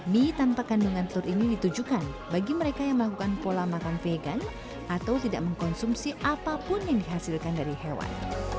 mie tanpa kandungan telur ini ditujukan bagi mereka yang melakukan pola makan vegan atau tidak mengkonsumsi apapun yang dihasilkan dari hewan